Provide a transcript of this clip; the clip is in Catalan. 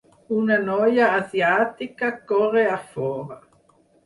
Una noia asiàtica corre a fora.